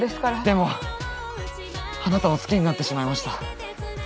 でもあなたを好きになってしまいました。